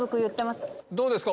どうですか？